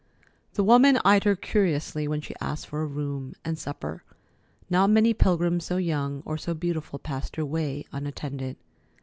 The woman eyed her curiously when she asked for a room and supper. Not many pilgrims so young or so beautiful passed her way unattended.